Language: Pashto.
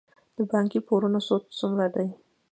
د بانکي پورونو سود څومره دی؟